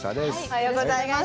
おはようございます。